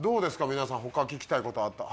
皆さん他聞きたいことあったら。